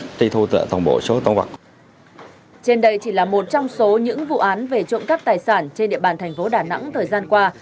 trên đây chỉ là một trong số những vụ án về trộm cắp tài sản trên địa bàn thành phố đà nẵng thời gian qua